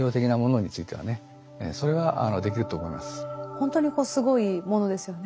ほんとにすごいものですよね。